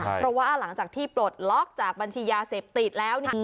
เพราะว่าหลังจากที่ปลดล็อกจากบัญชียาเสพติดแล้ว